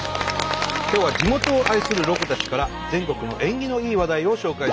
今日は地元を愛するロコたちから全国の縁起のいい話題を紹介してもらいます。